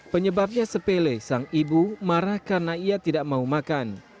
penyebabnya sepele sang ibu marah karena ia tidak mau makan